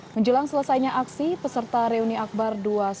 menjelang selesainya aksi peserta reuni akbar dua ratus dua belas